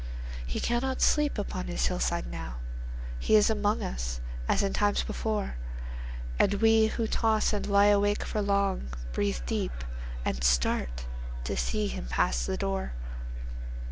He cannot sleep upon his hillside now. He is among us:—as in times before! And we who toss and lie awake for long, Breathe deep, and start, to see him pass the door.